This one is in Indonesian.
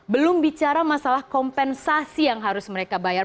belum bicara masalah kompensasi yang harus mereka bayar